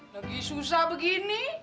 lagi susah begini